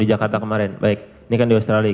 di jakarta kemarin baik ini kan di australia